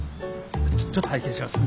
ちょっと拝見します。